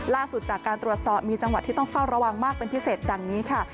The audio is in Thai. ล่าสุดจากการตรวจสอบมีจังหวัดที่ต้องเฝ้าระวังมากเป็นพิเศษดังนี้ค่ะ